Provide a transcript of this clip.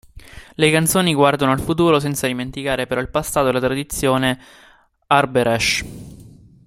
Le canzoni guardano al futuro senza dimenticare però il passato e la tradizione Arbëresh.